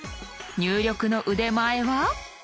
入力の腕前は？